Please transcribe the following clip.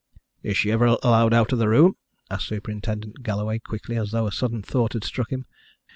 "Is she ever allowed out of the room?" asked Superintendent Galloway quickly, as though a sudden thought had struck him.